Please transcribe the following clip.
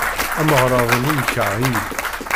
Ameɣrad-nni yekṛeh-iyi.